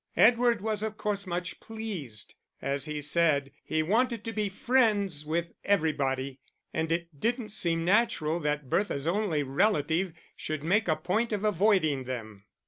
Edward was of course much pleased; as he said, he wanted to be friends with everybody, and it didn't seem natural that Bertha's only relative should make a point of avoiding them.